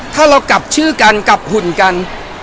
ถ้าเรากลับชื่อกันกลับหุ่นกัน